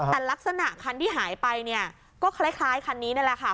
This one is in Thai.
แต่ลักษณะคันที่หายไปเนี่ยก็คล้ายคันนี้นั่นแหละค่ะ